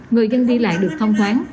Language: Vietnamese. người dân đi lại được thông thoáng